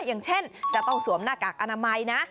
อย่างเช่นจะต้องสวมหน้ากากอนามัยนะ